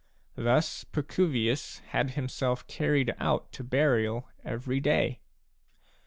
" Thus Pacuvius had himself carried out to burial every day.